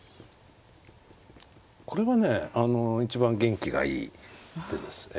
これはね一番元気がいい手です。